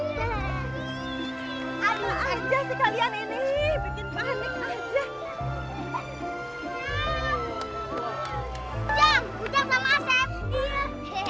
ujang ujang sama asem